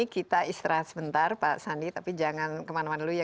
kita istirahat sebentar pak sandi tapi jangan kemana mana dulu ya